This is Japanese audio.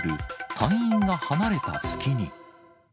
隊員が離れたすきに。